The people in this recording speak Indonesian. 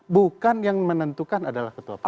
bukan yang menentukan adalah ketua partai